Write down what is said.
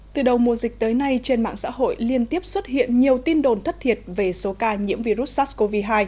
từ đầu mùa dịch tới nay trên mạng xã hội liên tiếp xuất hiện nhiều tin đồn thất thiệt về số ca nhiễm virus sars cov hai